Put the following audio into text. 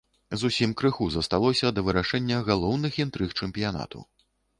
Зусім крыху засталося да вырашэння галоўных інтрыг чэмпіянату.